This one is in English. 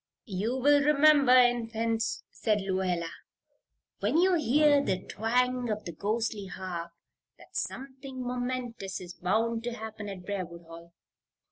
"You'll remember, Infants," said Lluella, "when you hear the twang of the ghostly harp, that something momentous is bound to happen at Briarwood Hall."